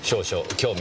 興味？